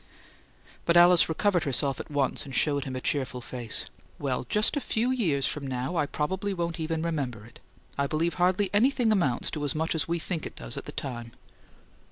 But Alice recovered herself at once, and showed him a cheerful face. "Well, just a few years from now I probably won't even remember it! I believe hardly anything amounts to as much as we think it does at the time."